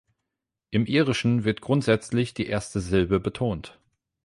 Im Irischen wird grundsätzlich die erste Silbe betont.